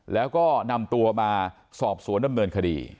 แล้วก็นำตัวมาสอบสวนดำเนินคดี